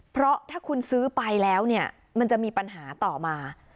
เพราะถ้าคุณซื้อไปแล้วเนี่ยมันจะมีปัญหาต่อมา